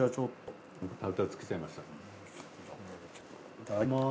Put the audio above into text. いただきます。